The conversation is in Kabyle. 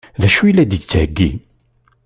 D acu i la d-yettheggi?